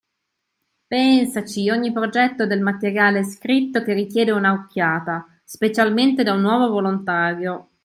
Pensaci, ogni progetto ha del materiale scritto che richiede una occhiata, specialmente da un nuovo volontario!